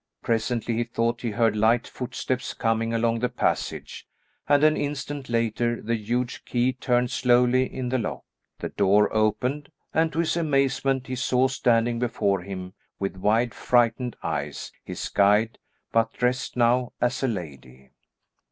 Presently he thought he heard light footsteps coming along the passage and an instant later the huge key turned slowly in the lock. The door opened, and to his amazement he saw standing before him with wide frightened eyes, his guide, but dressed now as a lady.